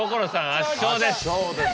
圧勝です。